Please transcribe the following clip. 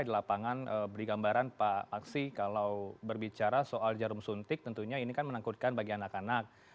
di lapangan beri gambaran pak aksi kalau berbicara soal jarum suntik tentunya ini kan menakutkan bagi anak anak